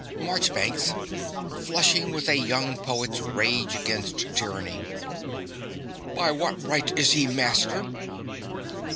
MARCHBANKS (flushing with a young poet's rage against tyranny). By what right is he master?